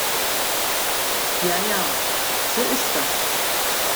Ja ja, so ist das.